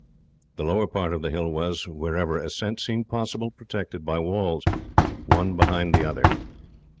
The lower part of the hill was, wherever ascent seemed possible, protected by walls, one behind the other.